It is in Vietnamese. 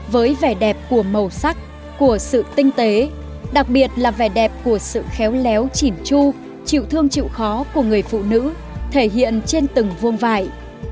với vẻ đẹp của màu sắc của sự tinh tế đặc biệt là vẻ đẹp của sự khéo léo chỉn chu chịu thương chịu khó của người phụ nữ thể hiện trên từng vuông vải